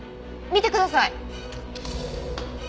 見てください。